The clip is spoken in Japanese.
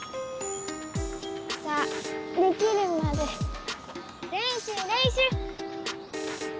さあできるまでれんしゅうれんしゅう！